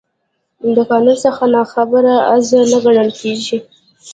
د قانون څخه نا خبري، عذر نه ګڼل کېږي.